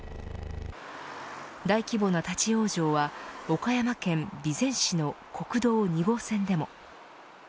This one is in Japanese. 大規模な立ち往生は岡山県備前市の国道２号線でも。